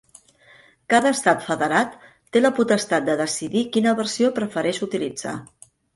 Cada estat federat té la potestat de decidir quina versió prefereix utilitzar.